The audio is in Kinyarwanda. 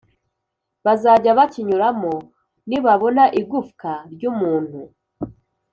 bazajya bakinyuramo nibabona igufwa ry umuntu